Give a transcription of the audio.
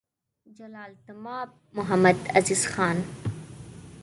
جلالتمآب محمدعزیز خان: